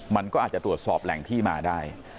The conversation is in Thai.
มันก็อาจจะตรวจสอบแหล่งที่มาได้